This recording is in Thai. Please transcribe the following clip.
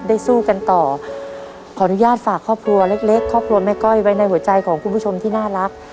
สู้กันต่อขออนุญาตฝากครอบครัวเล็กเล็กครอบครัวแม่ก้อยไว้ในหัวใจของคุณผู้ชมที่น่ารัก